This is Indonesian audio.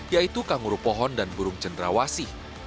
yaitu kanguru pohon dan burung cendrawasi